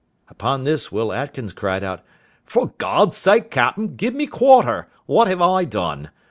Upon this Will Atkins cried out, "For God's sake, captain, give me quarter; what have I done?